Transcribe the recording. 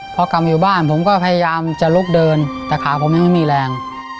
พอกลับอยู่บ้านผมก็พยายามจะลุกเดินแต่ขาผมยังไม่มีแรง